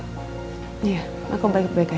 iya aku balik balik aja